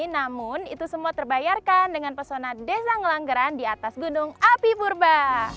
namun itu semua terbayarkan dengan pesona desa ngelanggeran di atas gunung api purba